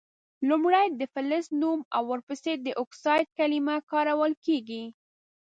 لومړۍ د فلز نوم او ور پسي د اکسایډ کلمه کارول کیږي.